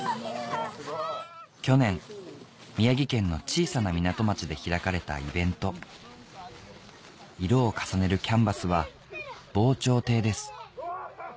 去年宮城県の小さな港町で開かれたイベント色を重ねるキャンバスは防潮堤です